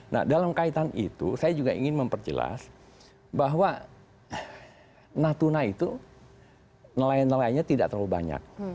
nah dalam kaitan itu saya juga ingin memperjelas bahwa natuna itu nelayan nelayannya tidak terlalu banyak